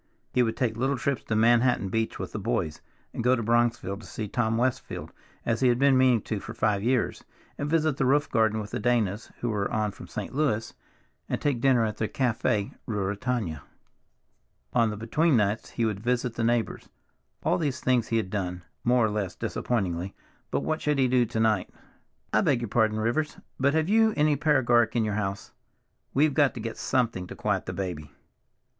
He would take little trips to Manhattan Beach with "the boys" and go to Bronxville to see Tom Westfield, as he had been meaning to for five years, and visit the roof garden with the Danas, who were on from St. Louis, and take dinner at the Café Ruritania. On the between nights he would visit the neighbors. All these things he had done, more or less disappointingly, but what should he do to night? "I beg your pardon, Rivers, but have you any paregoric in the house? We've got to get something to quiet the baby."